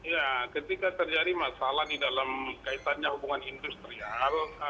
ya ketika terjadi masalah di dalam kaitannya hubungan industrial